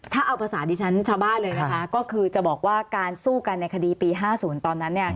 ถ้าเอาภาษาดิฉันชาวบ้านเลยนะคะก็คือจะบอกว่าการสู้กันในคดีปี๕๐ตอนนั้น